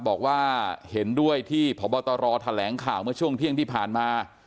บอกว่าเห็นด้วยที่พบตรแถลงข่าวเมื่อช่วงเที่ยงที่ผ่านมา